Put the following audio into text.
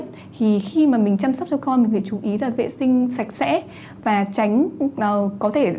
thì khi mà mình chăm sóc cho con mình phải chú ý là vệ sinh sạch sẽ